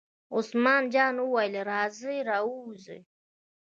عثمان جان وویل: راځئ را ووځئ.